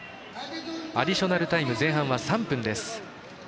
アディショナルタイム前半３分。